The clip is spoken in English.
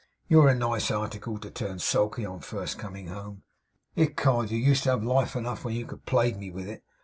You're a nice article, to turn sulky on first coming home! Ecod, you used to have life enough, when you could plague me with it.